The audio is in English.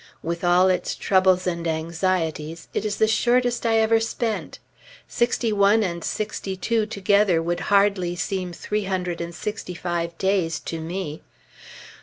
With all its troubles and anxieties, it is the shortest I ever spent! '61 and '62 together would hardly seem three hundred and sixty five days to me.